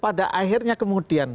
pada akhirnya kemudian